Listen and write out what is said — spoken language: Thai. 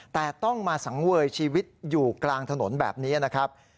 แต่ต้องมาสังเวยชีวิตอยู่กลางถนนแบบนี้นะครับ